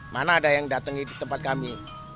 mana ada yang datangi tempat kami